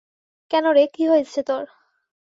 কেন রে, কী হয়েছে তোর।